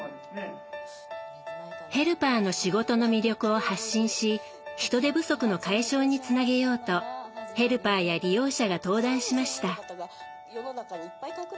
ヘルパーの仕事の魅力を発信し人手不足の解消につなげようとヘルパーや利用者が登壇しました。